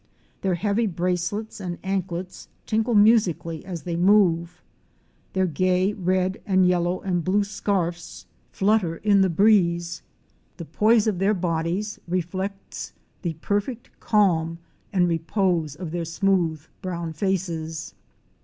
Their heavy bracelets and anklets tinkle musically as they move; their gay red and yellow and blue scarfs flutter in the 118 OUR SEARCH FOR A WILDERNESS. breeze. The poise of their bodies reflects the perfect calm and repose of their smooth, brown faces.